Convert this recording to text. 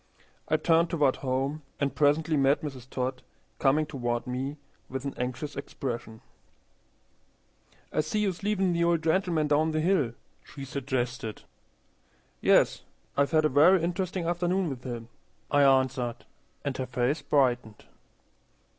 I turned toward home, and presently met Mrs. Todd coming toward me with an anxious expression. "I see you sleevin' the old gentleman down the hill," she suggested. "Yes. I've had a very interesting afternoon with him," I answered, and her face brightened.